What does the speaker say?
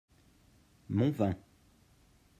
mon vin.